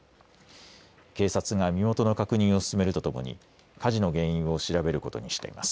警察が身元の確認を進めるとともに火事の原因を調べることにしています。